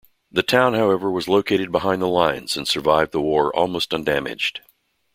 The town however was located behind the lines and survived the war almost undamaged.